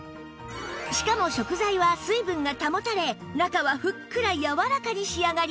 しかも食材は水分が保たれ中はふっくらやわらかに仕上がります